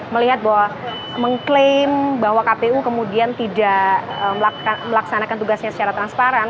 melihat bahwa mengklaim bahwa kpu kemudian tidak melaksanakan tugasnya secara transparan